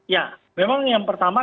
ya memang yang pertama